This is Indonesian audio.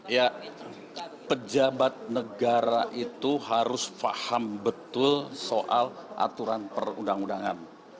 ya pejabat negara itu harus paham betul soal aturan perundang undangan